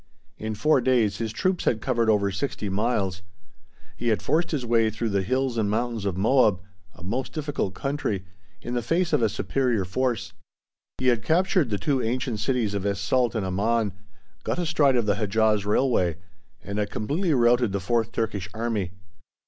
In four days his troops had covered over 60 miles; he had forced his way through the hills and mountains of Moab, a most difficult country, in the face of a superior force; he had captured the two ancient cities of Es Salt and Amman, got astride of the Hedjaz Railway, and had completely routed the 4th Turkish Army.